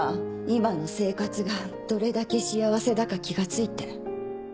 今の生活がどれだけ幸せだか気が付いて。